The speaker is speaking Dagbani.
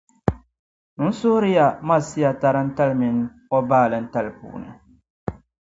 N suhiri ya Masia tarintali min’ o baalintali puuni.